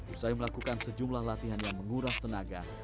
usai melakukan sejumlah latihan yang menguras tenaga